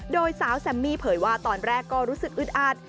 โดยสาวแซมมี่เผยว่าตอนแรกก็รู้สึกอึดอัด